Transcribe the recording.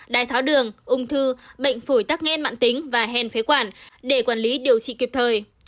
đai tháo đường ung thư bệnh phổi tắc nghẽn mạng tính và hèn phế quản để quản lý điều trị kịp thời